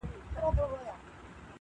د هوا له لاري صحنه ثبتېږي او نړۍ ته ځي,